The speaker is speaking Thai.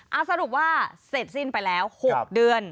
เอาสรุปว่าเสร็จสิ้นไปแล้ว๖เดือน